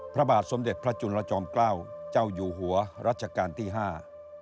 พระบาทสมเด็จพระจุลจอมเกล้าเจ้าอยู่หัวรัชกาลที่ห้า